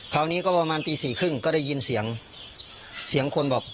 คราวนี้ก็ประมาณตีสี่ครึ่งก็ได้ยินเสียงเสียงคนบอก